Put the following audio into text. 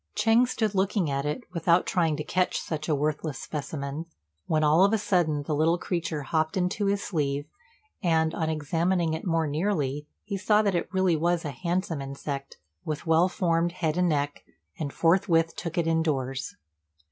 Ch'êng stood looking at it, without trying to catch such a worthless specimen, when all of a sudden the little creature hopped into his sleeve; and, on examining it more nearly, he saw that it really was a handsome insect, with well formed head and neck, and forthwith took it indoors.